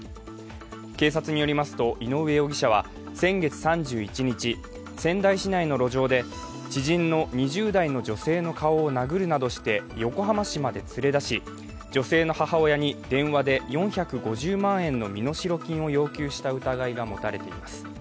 警察によりますと、井上容疑者は先月３１日仙台市内の路上で知人の２０代の女性の顔を殴るなどして横浜市まで連れ出し、女性の母親に電話で４５０万円の身代金を要求した疑いが持たれています。